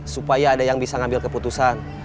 supaya ada yang bisa ngambil keputusan